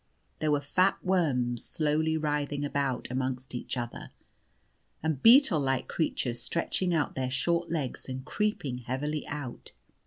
There were fat worms slowly writhing about amongst each other, and beetle like creatures stretching out their short legs and creeping heavily out.